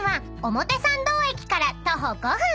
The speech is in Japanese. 表参道駅から徒歩５分］